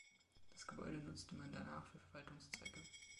Das Gebäude nutzte man danach für Verwaltungszwecke.